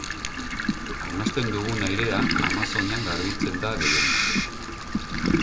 Arnasten dugun airea Amazonian garbitzen da gehienbat.